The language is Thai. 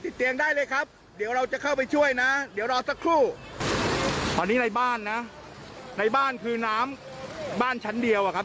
เดี๋ยวรอสักครู่ตอนนี้ในบ้านนะในบ้านคือน้ำบ้านชั้นเดียวอ่ะครับ